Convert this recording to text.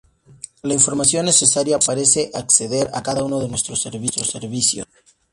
la información necesaria para acceder a cada uno de nuestros servicios